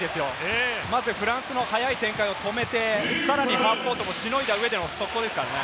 フランスの速い展開を止めて、さらにハーフコートもしのいだ上での速攻ですからね。